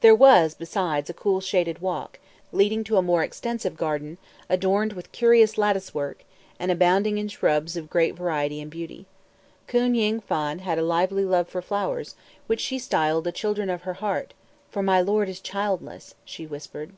There was, besides, a cool, shaded walk, leading to a more extensive garden, adorned with curious lattice work, and abounding in shrubs of great variety and beauty. Koon Ying Phan had a lively love for flowers, which she styled the children of her heart; "for my lord is childless," she whispered.